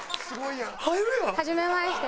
はじめまして。